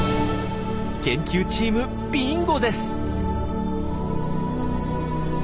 研究チームビンゴです！